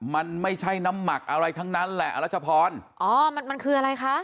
มันไม่ใช่น้ำหมักอะไรทั้งนั้นแหละรัชพรอ๋อมันมันคืออะไรคะ